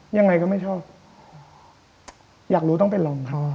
ยังไงก็ไม่ชอบอยากรู้ต้องไปลองนะ